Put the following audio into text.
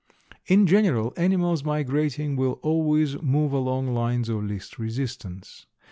In general, animals migrating will always move along lines of least resistance.